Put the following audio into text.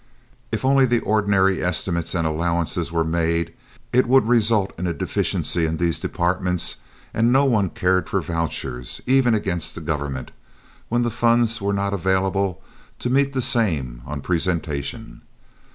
If only the ordinary estimates and allowances were made, it would result in a deficiency in these departments, and no one cared for vouchers, even against the government, when the funds were not available to meet the same on presentation.